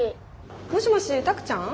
もしもしタクちゃん？